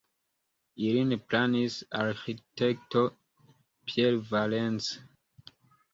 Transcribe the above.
Ilin planis arĥitekto Pierre Valence.